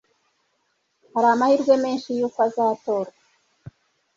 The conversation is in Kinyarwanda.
Hari amahirwe menshi yuko azatorwa.